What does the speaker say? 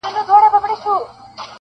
زه سینې د حیوانانو څیرومه-